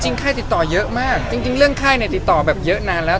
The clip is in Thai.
จริงค่ายติดต่อเยอะมากจริงเรื่องค่ายติดต่อเยอะนานแล้ว